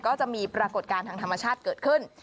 ปรากฏการณ์ทางธรรมชาติเกิดขึ้น